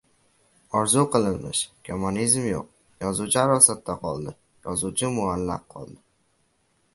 Orzu qilinmish… kommunizm yo‘q! Yozuvchi arosatda qoldi, yozuvchi muallaq qoldi!